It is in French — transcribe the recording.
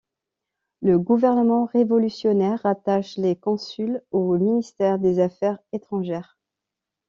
Le gouvernement révolutionnaire rattache les consuls au ministère des Affaires étrangères.